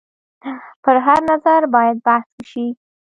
پر هر نظر باید بحث وشي.